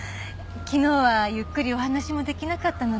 昨日はゆっくりお話も出来なかったので。